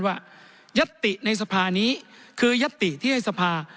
ยัตติในสภานี้คือยัตติที่ให้สภา